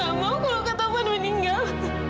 tapi kamilah gak mau kalau kak taufan meninggal